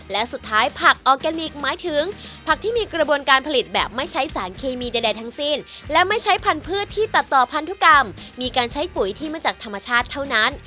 และสุดท้ายผักออร์แกนิคหมายถึงผักที่มีกระบวนการผลิตแบบไม่ใช้สารเคมีใดทั้งสิ้นและไม่ใช้พันธุ์ที่ตัดต่อพันธุกรรมมีการใช้ปุ๋ยที่มาจากธรรมชาติเท่านั้น